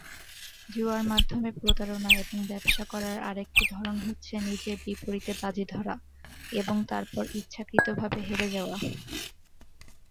জুয়ার মাধ্যমে প্রতারণা এবং ব্যবসা করার আরেকটি ধরন হচ্ছে নিজের বিপরীতে বাজি ধরা এবং তারপর ইচ্ছাকৃত ভাবে হেরে যাওয়া।